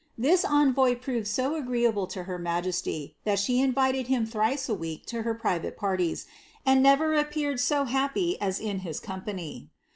This envoy proved so agreeable to lier majesty, that she invited liim thrice a week to her private parties, and never appeared so happy as ia his company.'